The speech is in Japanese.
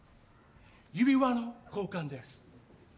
指輪の交換です。